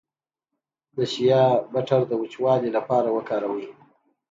د شیا بټر د وچوالي لپاره وکاروئ